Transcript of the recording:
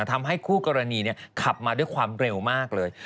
ทำให้คู่กรณีขับมาด้วยความเร็วมากเลย